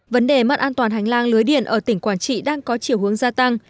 vấn đề mất an toàn hành lang lưới điện ở tỉnh quảng trị đang có chiều hướng gia tăng